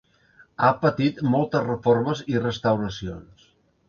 Ha patit moltes reformes i restauracions.